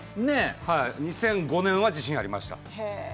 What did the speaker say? ２００５年は自信がありました。